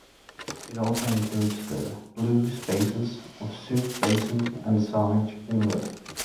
It also includes the "blue spaces" of Sooke Basin and Saanich Inlet.